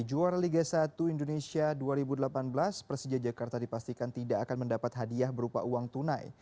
juara liga satu indonesia dua ribu delapan belas persija jakarta dipastikan tidak akan mendapat hadiah berupa uang tunai